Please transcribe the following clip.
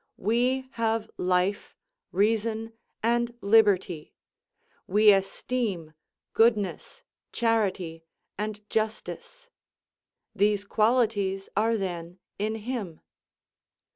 We have life, reason, and liberty; we esteem goodness, charity, and justice; these qualities are then in him.